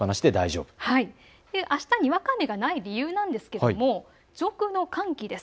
あした、にわか雨がない理由ですが、上空の寒気です。